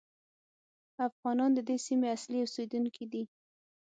افغانان د دې سیمې اصلي اوسېدونکي دي.